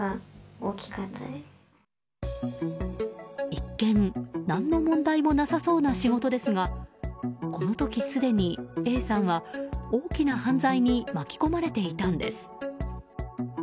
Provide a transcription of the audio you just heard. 一見、何の問題もなさそうな仕事ですがこの時、すでにＡさんは大きな犯罪に巻き込まれていたんです。